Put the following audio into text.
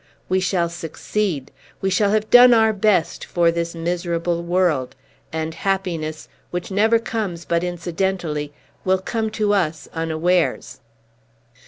We shall succeed! We shall have done our best for this miserable world; and happiness (which never comes but incidentally) will come to us unawares."